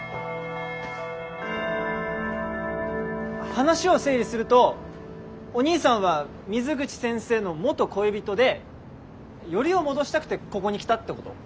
話を整理するとおにいさんは水口先生の元恋人でよりを戻したくてここに来たってこと？